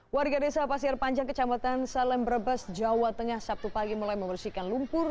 warga desa pasir panjang kecamatan salem brebes jawa tengah sabtu pagi mulai membersihkan lumpur